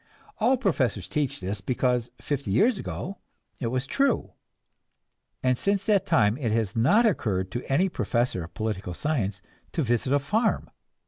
All professors teach this, because fifty years ago it was true, and since that time it has not occurred to any professor of political science to visit a farm.